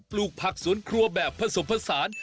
ลูกผักสวนครัวแบบผสมผสาน